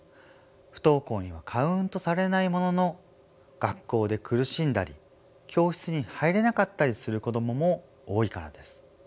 不登校にはカウントされないものの学校で苦しんだり教室に入れなかったりする子どもも多いからです。